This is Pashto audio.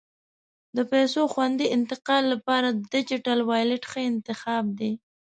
د پیسو خوندي انتقال لپاره ډیجیټل والېټ ښه انتخاب دی.